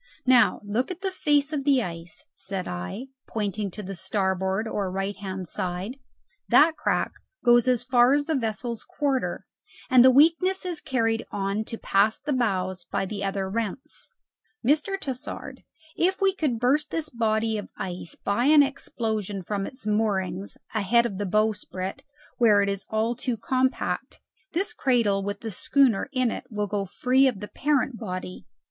Now look at the face of the ice," said I, pointing to the starboard or right hand side; "that crack goes as far as the vessel's quarter, and the weakness is carried on to past the bows by the other rents. Mr. Tassard, if we could burst this body of ice by an explosion from its moorings ahead of the bowsprit, where it is all too compact, this cradle with the schooner in it will go free of the parent body."